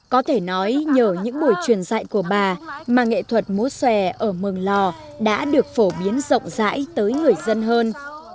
có thể nói nhờ những buổi truyền dạy của bà mà nghệ thuật múa xòe ở mường lò đã được phổ biến rộng rãi tới người dân hơn